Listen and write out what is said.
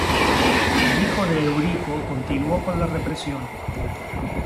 El hijo de Eurico continuó con la represión.